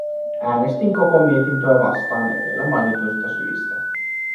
Äänestin koko mietintöä vastaan edellä mainituista syistä.